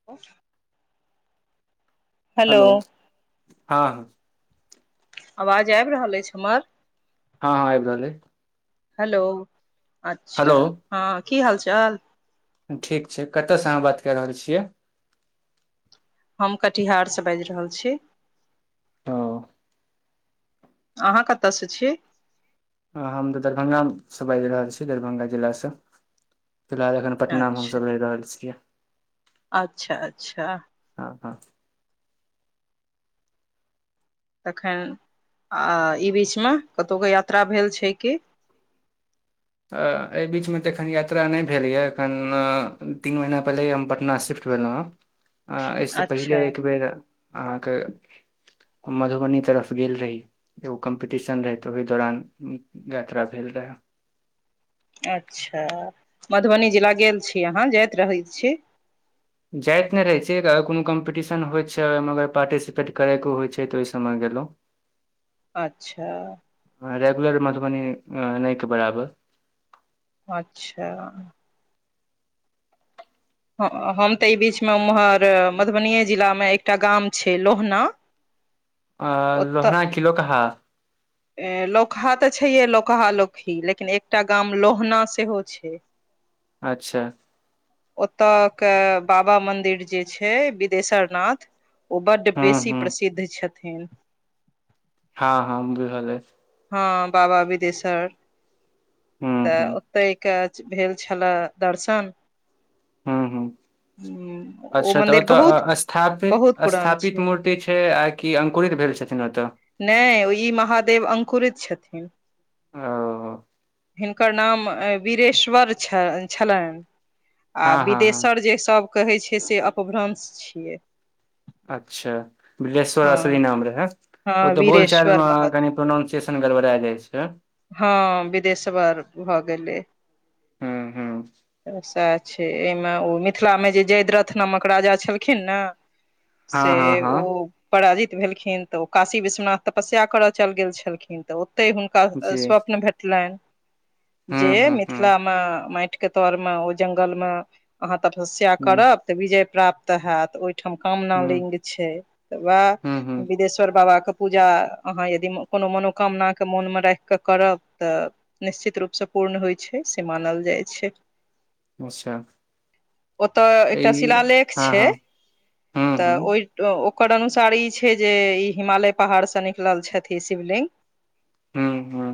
[inaudible] Hello हं आवाज आबि रहल अछि हमर हँ हँ आबि रहलै हेलो अच्छा हेलो हँ की हाल चाल ठीक छै कतयसँ अहाँ बात कए रहल छियै हम कटिहारसँ बाजि रहल छी ओ अहाँ कतयसँ छीै हम तऽ दरभंगा से बाजि रहल छी दरभंगा जिला से फिलहाल एखन पटना मे अच्छा हमसब रहि रहल छियै अच्छा अच्छा हँ हँ तखन आ इ बीचमे कतहुके यात्रा भेल छै कि अ एहि बीचमे तऽ एखन यात्रा नहि भेल यए एखन तीन महिना पहिले हम पटना सिफ्ट भेलहुँ हं [inaudible] एहिसँ पहिले अच्छा एकबेर अहाँके मधुबनी तरफ गेल रही एगो कम्पीटिशन रहे तऽ ओहि दौरान यात्रा भेल रहे अच्छा मधुबनी जिला गेल छी अहाँ जाइत रहैत छी जाइत नहि रहै छिये अगर कोनो कम्पीटिशन होइ छै ओहिमे अगर पार्टिसिपेट करयके होइ छै तऽ ओहि सभमे गेलहुँ अच्छा हां रेगुलर मधुबनी नहि के बराबर अच्छा ह हम तऽ एहि बीचमे उम्हर मधुबनिए जिलामे एकटा गाम छै लोहना [inaudible] अ ओतऽ लोहना कि लोकहा लौकहा तऽ छैये लौकहा लौकही लेकिन एकटा गाम लोहना सेहो छै [inaudible] अच्छा ओतय के बाबा मन्दिर जे छै बिदेशर नाथ ओ बड हूँ बेसी हूँ प्रसिद्ध छथिन हँ हँ बुझल अछि हँ बाबा बिदेशर हूँ हूँ तऽ ताहि काज भेल छलए दर्शन हूँ हूँ अच्छा तऽ ओ मन्दिर बहुत तऽ स्थापित बहुत पुरान स्थापित छै मूर्ति छै आ कि अंकुरित भेल छथिन ओतय नहि ओ ई महादेव अंकुरित छथिन ओ हिनकर नाम वीरेश्वर छ छलनि आ हँ हँ हँ बिदेशर जे सब कहै छै से अपभ्रंश छियै अच्छा बिलेश्वर हँ असली नाम रहै ओ हँ तऽ बोलचाल वीरेश्वर मे महत कनि प्रोनाउंसियएशन गड़बड़ा जाइ छै हँ विदेशवर भऽ गेलै हूँ हूँ छे एहिमे ओ मिथिलामे जे जयद्रथ नामक राजा छलखिन ने से हँ हँ हँ ओ पराजित भेलखिन तऽ ओ काशी विश्वनाथ तपस्या करय चलि गेल छलखिन तऽ ओतहि हुनका जी स्वप्न भेटलनि जे हुँ हुँ हुँ मिथिलामे माटिके तरमे ओ जङ्गलमे अहाँ तपस्या हुँ करब त विजय प्राप्त होयत ओहिठाम कामना हुँ लिंग छै तऽ हुँ वएह हुँ विदेश शर बाबा के पूजा अहाँ यदि कोनो मनोकामना के मोनमे राखि कऽ करब तऽ निश्चित रूपसँ पूर्ण होइत छै से मानल जाइ छै अच्छा ओतय एकटा ई शिलालेख हँ छै हँ हुँ तऽ हुँ ओहि ओकर अनुसार ई छै जे ई हिमालय पहाड़सँ निकलल छथि शिवलिंग हुँ हुँ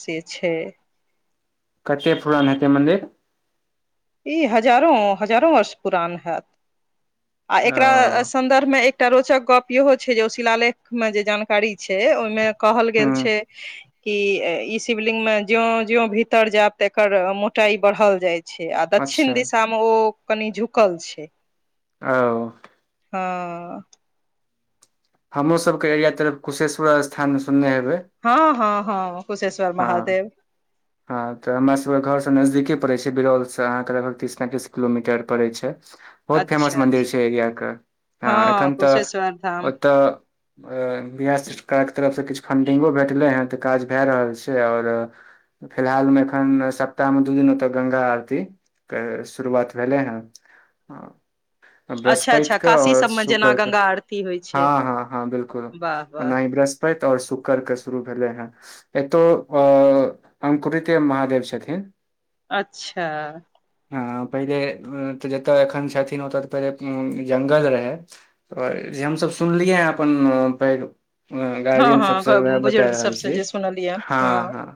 से छै कते पुरान हेतै मन्दिर ई हजारों हजारों वर्ष पुरान हैत आ ओ एकरा संदर्भ मे एक एकटा रोचक गप इहो छै जे ओ शिलालेख में जे जानकारी छै ओहिमे कहल गेल छै हुँ कि ई शिवलिंग में ज्यों ज्यों भीतर जायब तऽ एकर मोटाई बढ़ल जाइ छै आ दक्षिण अच्छा दिशा में ओ कनि झुकल छै ओ हाँ हमरो सब के एरिया तरफ कुशेश्वर स्थान सुनने हेबै हँ हँ हँ कुशेश्वर हँ महादेव हँ तऽ हमर सभके घरसँ नजदीके पड़ै छै बिरौलसँ अहाँके लगभग तीस पेंतीस किलोमीटर पड़ैत छै बहुत फेमस अच्छा मन्दिर अच्छा छै एरियाके हँ एखन तऽ कुशेश्वर धाम ओतय बिहार सरकारके तरफसँ किछु फंडिंगो भेटलै हैं तऽ काज भए रहल छै और फिलहालमे एखन सप्ताहमे दू दिन ओतऽ गंगा आरती के शुरुआत भेलै हं आ अच्छा अच्छा बृहस्पति क काशी और सबमे जेना शुक्र क गंगा आरती होइ हँ छै हँ हँ बिलकुल वाह वाह ओनाही बृष पति और शुक्र के शुरू भेलै हें एतौ अ अंकुुरिते महादेव छथिन अच्छा हँ पहिले तऽ जतय एखन छथिन ओतय तऽ पहिले जंगल रहै और जे हमसभ सुनलियै हैं अपन पैघ ह हँ गार्जियन सबसँ हँ उएह बता बुजुर्ग रहल सबसँ छी जे सुनलियै हँ हँ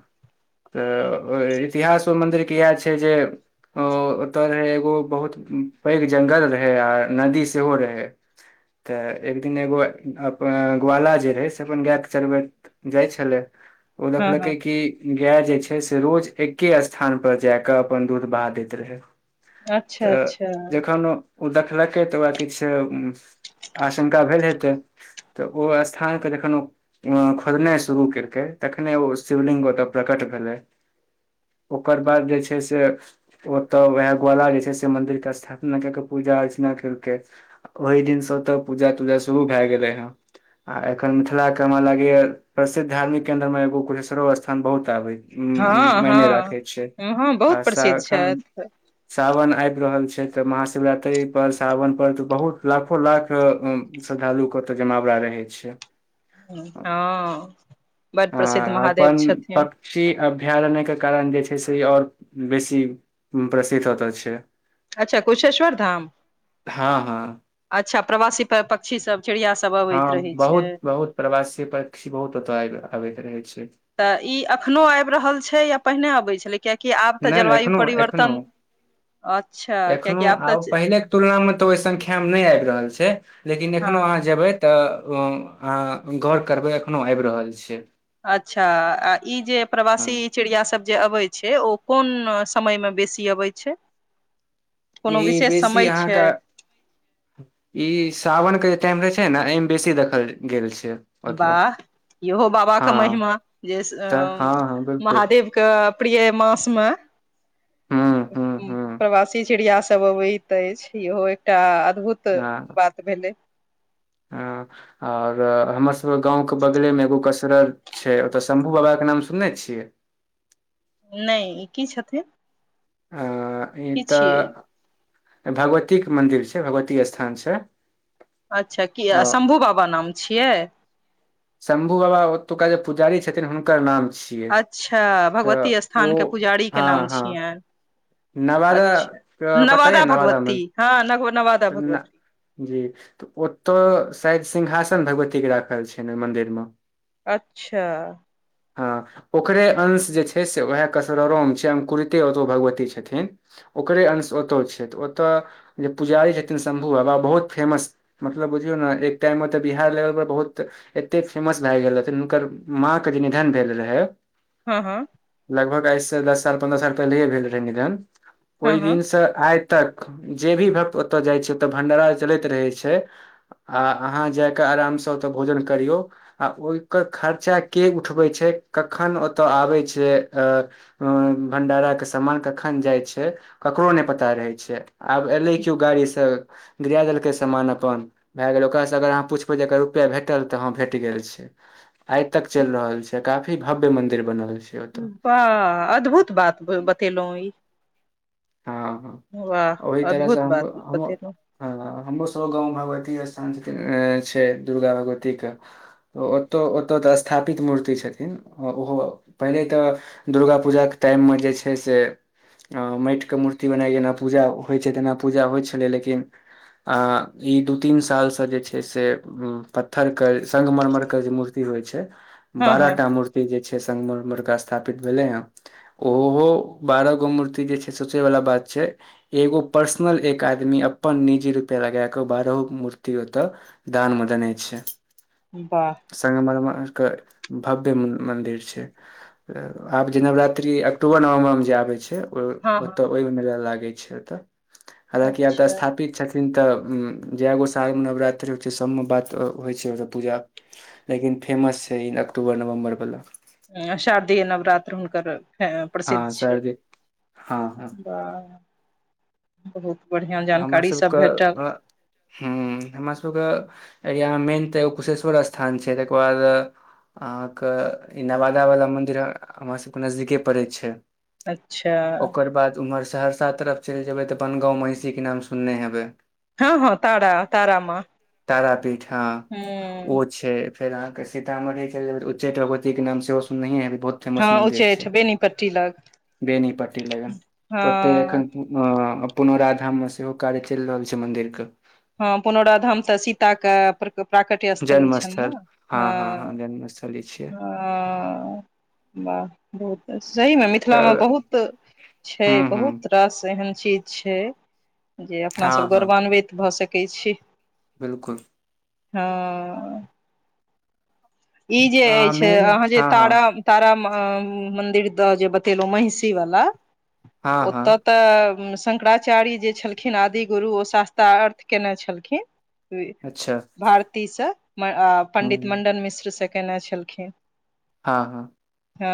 तऽ इतिहासमे मन्दिरके इएह छै जे ओ ओतय रहै एगो बहुत पैघ जंगल रहै आ नदी सेहो रहै तऽ एक दिन एगो ग्वाला जे रहै से अपन गायके चरबैत जाइ छलै ओ हँ देखलकै हँ कि गाय जे छै से रोज एके स्थान पर जाय के अपन दूध बहा दैत रहै अच्छा तऽ अच्छा जखन ओ देखलकै तऽ ओकरा किछु आशंका भेल हेतै तऽ ओ स्थानपर जखन ओ खोदनाइ शुरू केलकै तखने ओ शिवलिंग ओतय प्रकट भेलै ओकर बाद जे छै से ओतऽ वएह ग्वाला जे छै से मंदिर के स्थापना कैके पूजा अर्चना करके ओहि दिनसँ ओतऽ पूजा तूजा शुरू भए गेलै हं आ एखन मिथिला के हमरा लागेया प्रसिद्ध धार्मिक केंन्द्र में एगो कुशेश्वरो स्थान बहुत आबेया हँ हँ हँ आ बहुत प्रसिद्ध एखन छथि सावन आबि रहल छै तऽ महाशिवरात्रि पर सावन पर तऽ बहुत लाखो लाख श्रद्धालु के ओतऽ जमावड़ा रहै छै हँ बड प्रसिद्ध महादेव छथिन शी अभयारण्यके कारण जे छै से और बेसी प्रसिद्ध ओत छै अच्छा कुशेश्वर धाम हँ हँ अच्छा प्रवासी पक्षी सब चिड़िया सब अबैत हँ रहै छै बहुत बहुत प्रवासी पक्षी बहुत ओतय आबैत रहे छै तऽ ई अखनो आबि रहल छै या पहिने अबैत छलै कियाकि आब तऽ जलवायु परिवर्तन अच्छा एखन कियाकि आब आउ तऽ पहिले तुलना मे तऽ ओहि संख्या मे नहि आबि रहल छै लेकिन हँ एखनो अहाँ जेबे तऽ अं आ गौर करबै एखनो आबि रहल छै अच्छा आ ई जे हँ प्रवासी चिड़िया सब जे अबै छै ओ कोन समय मे बेसी अबै छै ई कोनो विशेष बेसी समय छै अहाँके ई सावनक के जे टाइम रहे छै ने एहिमे बेसी देखल गेल छै मतलब वाह इहो बाबा क हँ महिमा जेस अ तऽ हँ हँ बिलकुल महादेवके प्रिय मासमे हूँ हूँ हूँ प्रवासी चिड़िया सब अबैत अछि इहो एकटा अद्भुत तऽ बात भेलै आ ओर हमरसभके गाँवके बगलेमे एगो कसरत छै ओतय शम्भू बाबाके नाम सुनने छियै नहि ई की छथिन अ ई की छियै ई तऽ भगवतीक के मंदिर छै भगवती स्थान छै अच्छा की अ शम्भू बाबा नाम छियै शम्भु बाबा ओतुका जे पुजारी छथिन हुनकर नाम छियै अच्छा तऽ भगवती ओ स्थानके पुजारीके नाम हँ हँ छिऐ नवादा अच्छा के नवादा भगवती हँ न नवाद त ने जी त ओतौ शायद सिंहासन भगवती के राखल छ ओहि मंदिर मे अच्छा हँ ओकरे अंश जे छै से उएह कसररोमे छै अं्कुरिते ओतो भगवती छथिन ओकरे अंश ओतय छै तऽ ओतय पुजारी छथिन शम्भु बाबा बहुत फेमस मतलब बुझियौ ने एक टाइममे तऽ बिहार लेवलपर बहुत एते फेमस भए गेल रहथिन हुनकर माँके जे निधन भेल रहै हँ हँ लगभग आइसँ दस साल पन्द्रह साल पहिले भेल रहे निधन हँ ओहि हँ दिनसँ आ तक जे भी भक्त ओतय जाइ छै ओतऽ भं्डारा चलैत रहै छै आ अहाँ जा कऽ आरामसँ ओतय भोजन करियौ आ ओहिकर खर्चा के उठबै छै कखन ओतय आबै छै अ भंडारा के सामान कखन जाइ छै ककरो नहि पता रहै छै आब एले कि केओ गाड़ी से गिरा देलकै सामान अपन भए गेल ओकरासँ अगर अहाँ पुछि पड़ै अर रुपैआ भेटल तऽ हँ भेट गेल छै आइ तक चलि रहल छै काफी भव्य मंदिर बनल छै ओतऽ वाह अद्भुत बात बतेलहुँ ई हँ हँ वाह ओहि तरहसँ अद्भुत हम बात हम बतेलौं हँ हमरोसभ गाँवमे भगवती स्थान छै दुर्गा भगवतीके तऽ ओतऽ ओतय तऽ स्थापित मूर्ति छथिन ओहो पहिले तऽ दुर्गा पूजाके टाइममे जे छै से मैट के मूर्ति बनाइ जेना पूजा होइ छै तऽना पूजा होइ छलै लेकिन आ इ दू तीन साल से जे छै से उ पत्थर के संगमरमर के जे मूर्ति होइ छै हँ हँ बाराटा मूर्ति जे छै संग मरमर स्थापित भेले हे ओहो बारह गो मूर्ति जे छै इ सोचै वला बात छै एगो पर्सनल एक आदमी अपन निजी रूपे लगा क बारहो मूर्ति ओते दान म दनै छै बाह संग मर मर के भव्य मंन्दिर छै आब जे नवरात्रि अक्टूबर नवम्बर मे जे आबै छै हँ हँ ओते ओ मे मेला लागे छै ओत हालकि आब त अच्छा स्थापित छैथ इ तऽ जएगो सालमे नवरात्रि होइ छै सभमे बात होइ छै ओत पूजा लेकिन फेमस छै इ अक्टूबर नवम्बर वला एं शारदीय नवरात्र हुनकर प्रसिद्ध हँ छै सरदी हँ हँ बाह बहुत बढ़िआँ जानकारी सब भेटल ह हमरासके एरियामे मेन तऽ एगो कुशेश्वर स्थान छै तैकर बाद अहाँक ई नवादावला मन्दिर हमरा सबके नजदीके पड़ै छै अच्छा ओकर बाद उम्हर सहरसा तरफ चैल जेबै तऽ अपन गाँव मे सीके नाम सुनने हेबै हँ हँ तारा तारा माँ तारा पीठ हा ओ हूँ छै फेर अहाँके सीतामढ़ी चल जेबै उच्चैठ भगवती के नाम से सुनैये हेबै बहुत फेमस हँ मन्दिर छै उच्चैठ बेनीपट्टी लग बेनी पट्टी लगन हँ ओते अखन अ पुनराधाम मे सेहो कार्य चलि रहल छै मंदिर के हँ पुनौराधाम तऽ सीतााके प्राकट्य स्थली छैल जन्मस्थल न हँ जन्मस्थल ई छियै ह वाह बहुत सहीमे मिथिलामे तऽ बहुत छै हूँ हूँ बहुत रास एहन चीज छै जे अपनासभ हँ गौरवान्वित भऽ सकै छी बिलकुल हँ ई जे अहाँ अछि मेन अहाँ जे हँ हँ तारा तारा माहा मंदिर जे बतेलहु महिषी वाला हँ हँ ओतऽ तऽ शंकराचार्य जे छलखिन आदि गुरु ओ शास्त्रारर्थ केने छलखिन अच्छा भारतीसँ हूँ पण्डित मण्डन मिश्रसँ केयने छलखिन हँ हँ हँ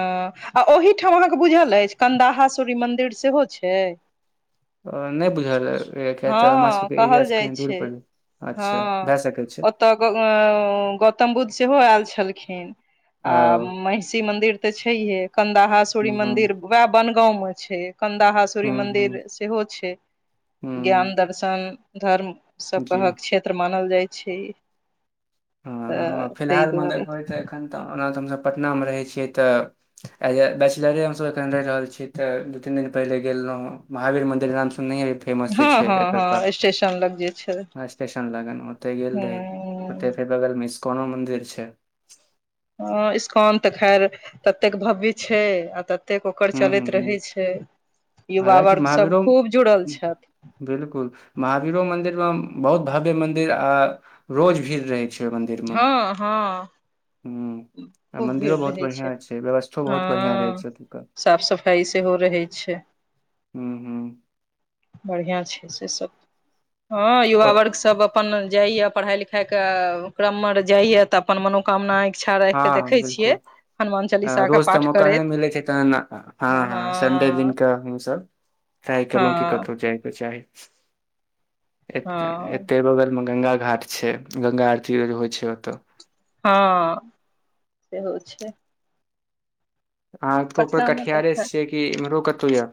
आ ओहिठाम अहाँके बुझल अछि कन्दाहा सूर्य मन्दिर सेहो छै हं नहि बुझल किया तऽ हमर हँ सबके एरिया कहल से जाइ कही दूर छै पल अच्छा भए सकै छै त गौतम बुध सेहो आयल छलखिन ओ आ महिषी मन्दिर तऽ छैहे कन्दाहा सूर्य हूँ हूँ मंदिर वएह बनगाँव मे छै कन्दाहा सूर्य हूँ हूँ मन्दिर सेहो छै ज्ञान हुँ दर्शन धर्म सब जी कहक क्षेत्र मानल जाइ छैय तऽ ताहि दुआ होइ तऽ एखन तऽ ओना तऽ हमसभ पटनामे रहै छियै तऽ एज अ बैचलरे हमसभ एखन रहि रहल छी तऽ दू तीन दिन पहिनेे गेल रहव महावीर मन्दिर नाम सुननहिए हे फेमस हँ छैय हँ एतका हँ स्टेशन लग जे छै स्टेशन लगन ओते गेल ह रही। बगलमें स्कोनो मन्दिर छैय। ह इस्कन तऽ खैर ततेक भव्य छैय आ तत तेक ओकर हुँ हुँ चलैत हुँ रहय छैय युवा वर्ग सब खूब जुड़ल छैथ। बिलकुल महावीरो मंदिर मे बहुत भव्य मंदिर आ रोज भीड़ रहै छैय। हँ हँ हुँ आ खूब भीड़ मन्दिरो बहुत रहै छैय बढ़ियाँ छै व्यवस्थो बहुत बढ़ियाँ रहै हँ। छै ओतुका साफ सफाइ सेहो रहैत छैय। हू हू बढ़िआँ छैय से सभ। हँ युवा ओत वर्ग सब अपन जाइए पढ़ाई लिखाई के क्रम मे जाइए तऽ अपन मनोकामना इच्छा राखि कऽ हँ देखै छियै बिलकुल हनुमान चालीसाके रोज तऽ पाठ मौका करैत। नहि मिलै छै तहन हँ हँ संडे दिन के हमसभ ट्राइ केलहुॅं की हँ कतहु जायके चाही। ए एते बगल मे गंगा घाट छैय गंगा आरती होइ छैय ओतऽ। हँ सेहो छैय। अहाँ तऽ ऊपर पटना मे तऽ कटिहारे खैर छियै कि इम्हरो कतहु यए।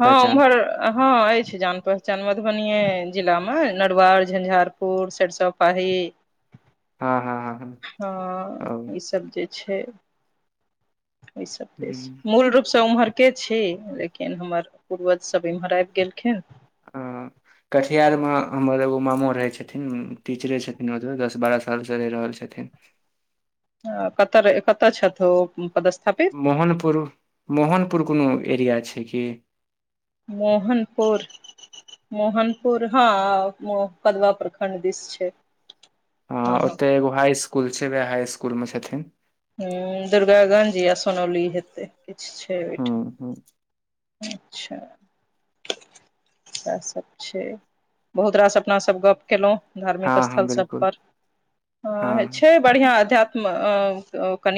हँ उम्हर हँ अछि जान पहचान मधुबनीए जिलामे नरुआर झंझारपुर सरिसो पाही हँ हँ हँ ई सब जे छैय ई सब हँ मूल रूप से उम्हर के छी लेकिन हमर पूर्वज सब एम्हर आब गेलखिन। ह कटिहारमे हमर एगो मामो रहै छथिन टीचरे छथिन ओतब दस बारह सालसँ रहि रहल छथिन। कत कतऽ छथि ओ पद मोहनपुर मोहनपुर कोनो एरिया छैय की? मोहनपुरर मोहनपुर हँ पदवा प्रखंड दिस छैय। ह ओतय एगो हाई इस्कुल छैय उएह हाई इसकुल मे छथिन। ह दुर्गाागंज या सोनौली हेतै किछु छैय ओहिठाम। [unintelligible] अच्छा इएह सब छैय बहुत रास अपना सब गप केलहुँ। धार्मिक हँ स्थल हँ सब बिल्कुल पर हँ छैय बढ़िआ अध्यात्म कनि